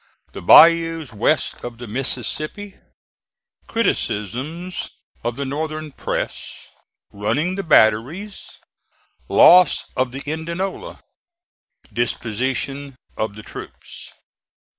THE BAYOUS WEST OF THE MISSISSIPPI CRITICISMS OF THE NORTHERN PRESS RUNNING THE BATTERIES LOSS OF THE INDIANOLA DISPOSITION OF THE TROOPS.